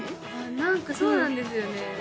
何かそうなんですよね